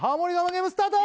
ゲームスタート